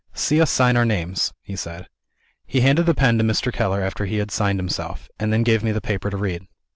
"See us sign our names," he said. He handed the pen to Mr. Keller after he had signed himself and then gave me the paper to read.